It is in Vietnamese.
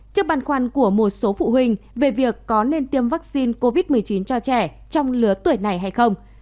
trước băn khoăn của một số phụ huynh về việc có nên tiêm vaccine covid một mươi chín cho trẻ trong lứa tuổi này hay không